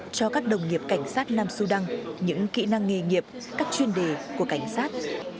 cho các đồng nghiệp cảnh sát nam sudan những kỹ năng nghề nghiệp các chuyên đề của cảnh sát